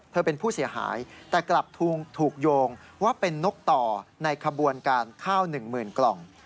เป็นผู้เสียหายแต่กลับถูกโยงว่าเป็นนกต่อในขบวนการข้าว๑๐๐๐กล่อง